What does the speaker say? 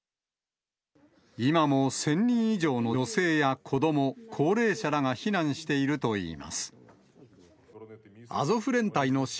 今も１０００人以上の女性や子ども、高齢者らが避難しているといいます。